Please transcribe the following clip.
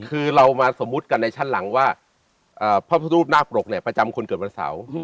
คือเรามาสมมุติกันในชั้นหลังว่าพระพุทธรูปนาคปรกเนี่ยประจำคนเกิดวันเสาร์